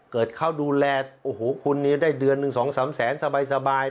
เกิดเขาดูแลโอ้โหคุณนี้ได้เดือนหนึ่ง๒๓แสนสบาย